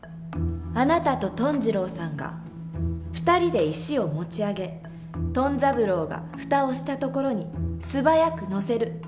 あなたとトン二郎さんが２人で石を持ち上げトン三郎が蓋をしたところに素早く載せる。